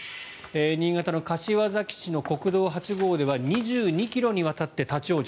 新潟の柏崎市の国道８号では２２ｋｍにわたって立ち往生。